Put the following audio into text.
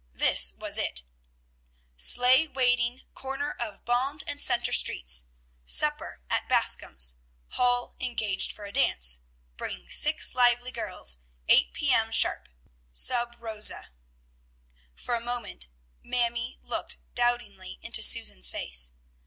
This was it, "Sleigh waiting corner of Bond and Centre Streets. Supper at Bascoms' Hall engaged for a dance. Bring six lively girls! 8 P.M. sharp. SUB ROSA." For a moment Mamie looked doubtingly into Susan's face.